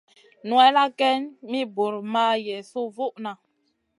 Nowella geyn mi buur ma yesu vuʼna.